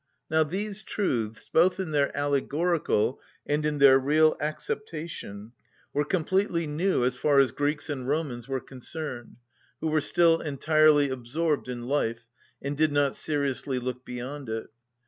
Now these truths, both in their allegorical and in their real acceptation, were completely new as far as Greeks and Romans were concerned, who were still entirely absorbed in life, and did not seriously look beyond it.